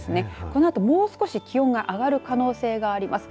このあともう少し気温が上がる可能性があります。